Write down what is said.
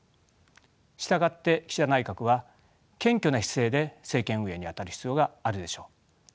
従って岸田内閣は謙虚な姿勢で政権運営に当たる必要があるでしょう。